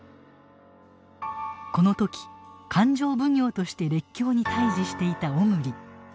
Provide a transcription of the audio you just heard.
この時勘定奉行として列強に対峙していた小栗。